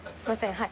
はい。